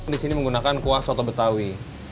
disini menggunakan kuah soto betawi